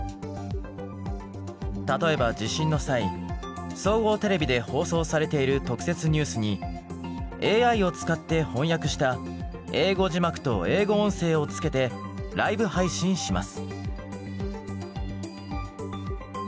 例えば地震の際総合テレビで放送されている特設ニュースにＡＩを使って翻訳した英語字幕と英語音声を付けてライブ配信します。